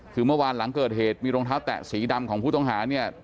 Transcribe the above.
คือเมื่อวานหลังเกิดเหตุมีรองเท้าแตะสีดำของผู้ต้องหาเนี่ย